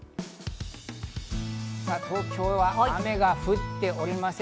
さあ東京は雨が降っておりません。